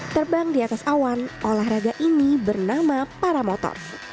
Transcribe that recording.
terbang di atas awan olahraga ini bernama para motor